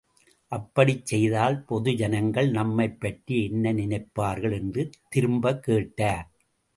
அப்படிச் செய்தால், பொதுஜனங்கள் நம்மைப் பற்றி என்ன நினைப்பார்கள்? —என்று திரும்பக் கேட்டார்.